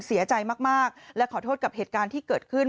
เสียใจมากและขอโทษกับเหตุการณ์ที่เกิดขึ้น